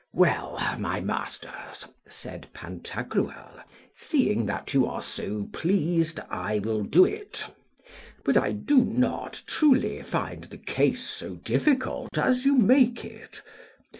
Well, my masters, said Pantagruel, seeing you are so pleased, I will do it; but I do not truly find the case so difficult as you make it.